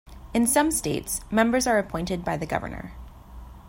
In some states, members are appointed by the governor.